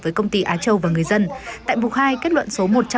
với công ty á châu và người dân tại mục hai kết luận số một trăm một mươi chín